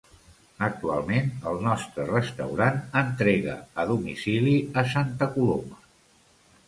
Actualment el nostre restaurant entrega a domicili a Santa Coloma.